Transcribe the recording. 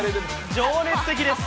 情熱的です。